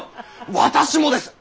私もです！